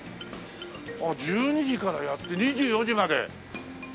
あっ１２時からやって２４時まで。